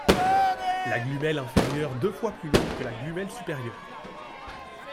La glumelle inférieure deux fois plus longue que la glumelle supérieure.